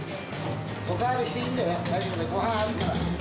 お代わりしていいんだよ、大丈夫、ごはんあるから。